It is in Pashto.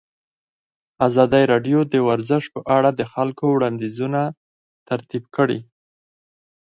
ازادي راډیو د ورزش په اړه د خلکو وړاندیزونه ترتیب کړي.